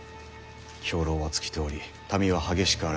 兵糧は尽きており民は激しくあらがう様子。